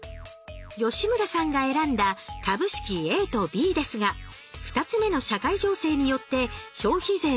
吉村さんが選んだ株式ＡとＢですが２つ目の社会情勢によって消費税が増税。